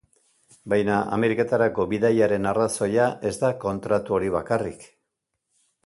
Baina Ameriketarako bidaiaren arrazoia ez da kontratu hori bakarrik.